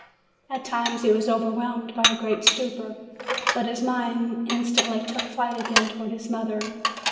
At times he was overwhelmed by a great stupor. But his mind instantly took flight again towards his mother.